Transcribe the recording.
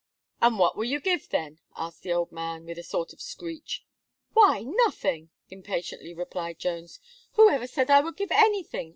"And what will you give, then?" asked the old man, with a sort of screech. "Why, nothing!" impatiently replied Jones. "Who ever said I would give anything?